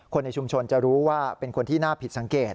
คนในชุมชนจะรู้ว่าเป็นคนที่น่าผิดสังเกต